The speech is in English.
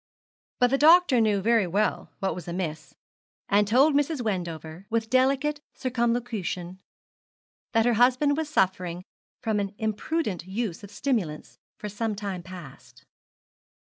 But the doctor knew very well what was amiss, and told Mrs. Wendover, with delicate circumlocution, that her husband was suffering from an imprudent use of stimulants for some time past.